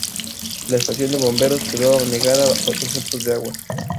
La estación de bomberos quedó anegada bajo dos metros de agua.